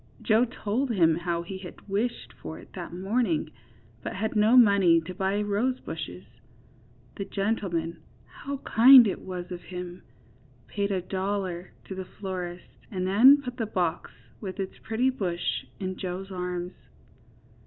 Joe told him how he had wished for it that morning, but had no money to buy rosebushes. The gentleman (how kind it was of him!) paid a dollar to the florist and then put the box, with its pretty bush in Joe's arms.